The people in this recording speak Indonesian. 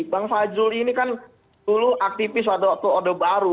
bang fajul ini kan dulu aktivis waktu waktu ordo baru